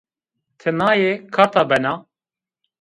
Ti naye kata bena?